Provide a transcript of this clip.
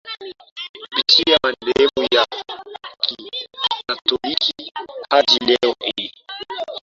kupitia madhehebu ya Kikatoliki hadi leo hii